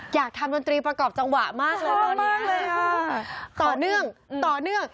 อยากทำดนตรีประกอบจังหวะมากเลยค่ะต่อเนื่องต่อเนื่อง